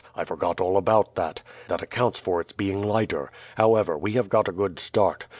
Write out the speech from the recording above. I forgot all about that. That accounts for its being lighter. However, we have got a good start.